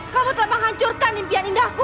kamu telah menghancurkan impian indahku